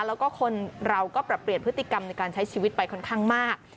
แล้วก็เราต้องประเปยนพฤติกรรมในการใช้ชีวิตไปค่อนข้างมาก